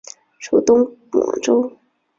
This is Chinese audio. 属东广州。